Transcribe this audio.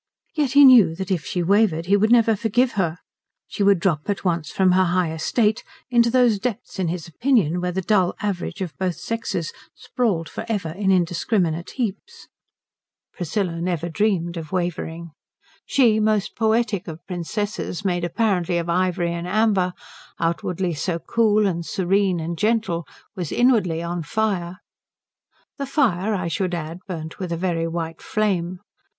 Yet he knew that if she wavered he would never forgive her; she would drop at once from her high estate into those depths in his opinion where the dull average of both sexes sprawled for ever in indiscriminate heaps. Priscilla never dreamed of wavering. She, most poetic of princesses, made apparently of ivory and amber, outwardly so cool and serene and gentle, was inwardly on fire. The fire, I should add, burnt with a very white flame.